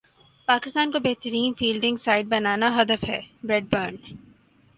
پاکستان کو بہترین fielding side بنانا ہدف ہے بریڈ برن